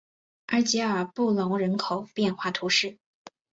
圣埃尔布隆人口变化图示